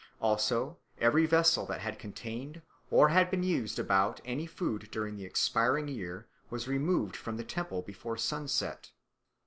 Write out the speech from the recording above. Also every vessel that had contained or had been used about any food during the expiring year was removed from the temple before sunset.